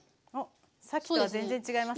さっきとは全然違いますね。